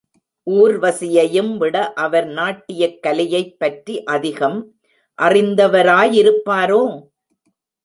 ஊர்வசியையும் விட அவர் நாட்டியக் கலையைப் பற்றி அதிகம் அறிந்தவராயிருப்பாரோ?